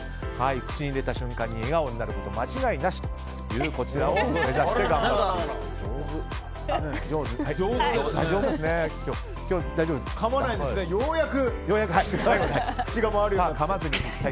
口に入れた瞬間に笑顔になること間違いなしというこちらを目指して頑張ってください。